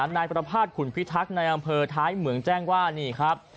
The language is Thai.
นายประภาษณขุนพิทักษ์ในอำเภอท้ายเหมืองแจ้งว่านี่ครับ